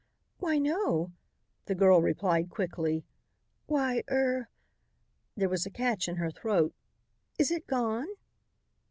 "Why, no," the girl replied quickly. "Why er" there was a catch in her throat "is it gone?"